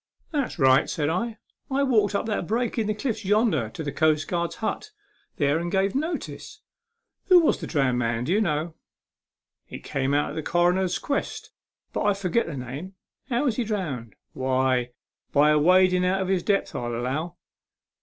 " That's right," said I. " I walked up that break in the cliffs yonder to the coastguard's hut there and gave notice. Who was the drowned man, do you know?" "It came out in the cronner's 'quest, but I forget the name." " How was he drowned ?"" Why, by awading out of his depth, I allow."